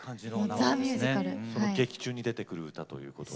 その劇中に出てくる歌ということで。